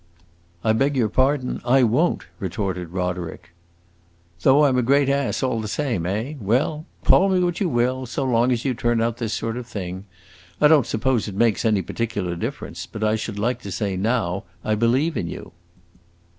"I beg your pardon I won't!" retorted Roderick. "Though I 'm a great ass, all the same, eh? Well, call me what you will, so long as you turn out this sort of thing! I don't suppose it makes any particular difference, but I should like to say now I believe in you."